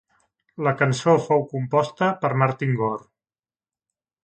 La cançó fou composta per Martin Gore.